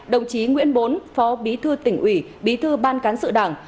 đồng chí nguyễn bốn phó bí thư tỉnh ủy bí thư ban cán sự đảng